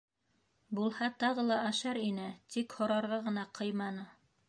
Булһа, тағы ла ашар ине, тик һорарға ғына ҡыйманы.